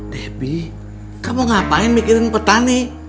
debbie kamu ngapain mikirin petani